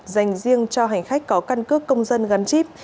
dành riêng cho hành khách có căn cước công dân gắn chip